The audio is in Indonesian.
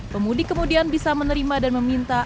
pemudik kemudian bisa menerima dan meminta